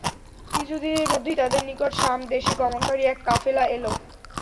কিছুদিনের মধ্যেই তাদের নিকট শাম দেশে গমনকারী এক কাফেলা এল।